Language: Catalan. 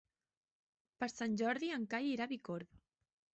Per Sant Jordi en Cai irà a Bicorb.